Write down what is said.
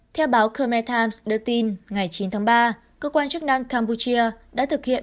theo báo kermet times đưa tin ngày chín tháng ba cơ quan chức năng cambodia đã thực hiện